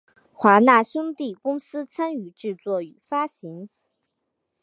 华纳兄弟公司参与制作与发行。